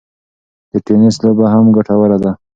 د ټینېس لوبه هم ګټوره ده.